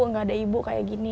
nggak ada ibu kayak gini